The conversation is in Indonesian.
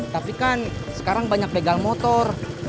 tapi kan sekarang banyak begal motor